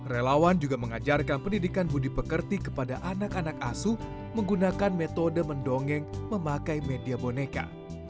relawan juga mengajarkan pendidikan budi pekerti kepada anak anak asu menggunakan metode mendongeng memakai media boneka